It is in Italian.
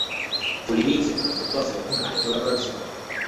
Fu l'inizio di una fruttuosa ed epocale collaborazione.